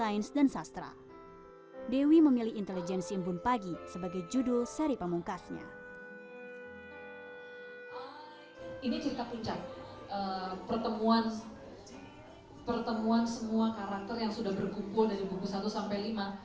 ini cerita puncak pertemuan semua karakter yang sudah berkumpul dari buku satu sampai lima